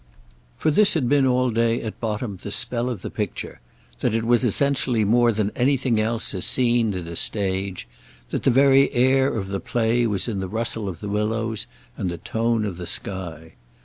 For this had been all day at bottom the spell of the picture—that it was essentially more than anything else a scene and a stage, that the very air of the play was in the rustle of the willows and the tone of the sky.